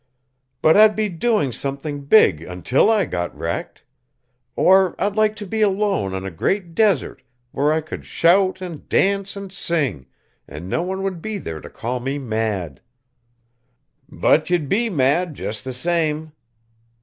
"But I'd be doing something big until I got wrecked. Or I'd like to be alone on a great desert where I could shout and dance and sing, and no one would be there to call me mad." "But ye'd be mad, jest the same."